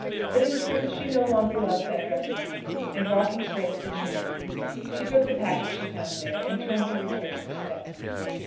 But, in truth, she no longer loved that dressing room; and walking straight to the chimney piece, she took the packet she found there, and turned to retrace her steps.